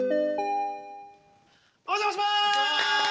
お邪魔します！